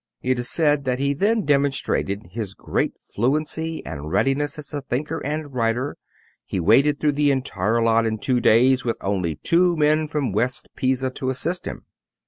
It is said that he then demonstrated his great fluency and readiness as a thinker and writer. He waded through the entire lot in two days with only two men from West Pisa to assist him.